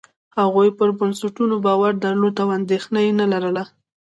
هغوی پر بنسټونو باور درلود او اندېښنه یې نه لرله.